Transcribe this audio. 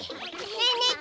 ねえねえ